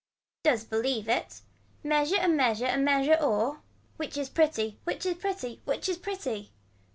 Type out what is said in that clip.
Does believe it. Measure a measure a measure or. Which is pretty which is pretty which is pretty.